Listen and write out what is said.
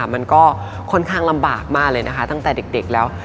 มันก็ค่อนข้างลำบากมากเลยนะคะตั้งแต่เด็กแล้ว